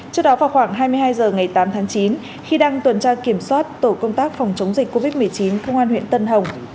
trước đó vào khoảng hai mươi hai h ngày tám tháng chín khi đang tuần tra kiểm soát tổ công tác phòng chống dịch covid một mươi chín công an huyện tân hồng